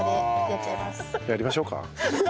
「やりましょうか？」。